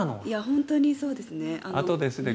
本当にそうですね。